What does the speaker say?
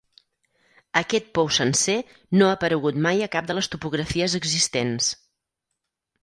Aquest pou sencer no ha aparegut mai a cap de les topografies existents.